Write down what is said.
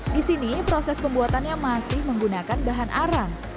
di sini proses pembuatannya masih menggunakan bahan arang